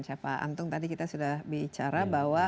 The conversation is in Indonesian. siapa antung tadi kita sudah bicara bahwa